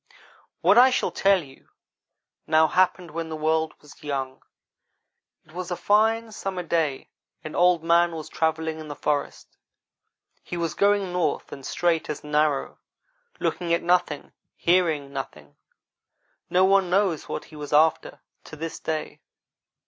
"What I shall tell you now happened when the world was young. It was a fine summer day, and Old man was travelling in the forest. He was going north and straight as an arrow looking at nothing, hearing nothing. No one knows what he was after, to this day.